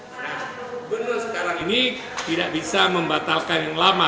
pak gunur sekarang ini tidak bisa membatalkan yang lama